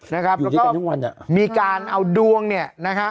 แล้วก็มีการเอาดวงเนี่ยนะฮะ